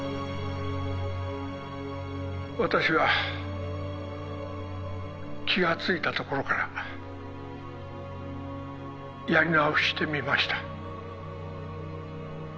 私は気がついたところからやり直してみました